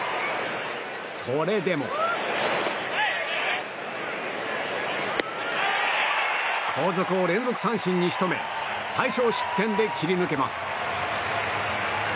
それでも後続を連続三振に仕留め最少失点で切り抜けます。